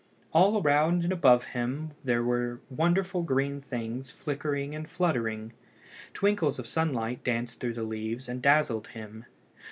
All around and above him there were wonderful green things flickering and fluttering. Twinkles of sunlight danced through the leaves and dazzled him.